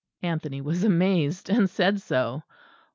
Anthony was amazed, and said so.